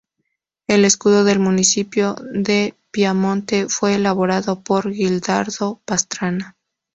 El escudo del municipio de Piamonte fue elaborado por Gildardo Pastrana.